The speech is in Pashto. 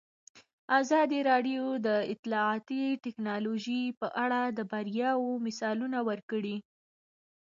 ازادي راډیو د اطلاعاتی تکنالوژي په اړه د بریاوو مثالونه ورکړي.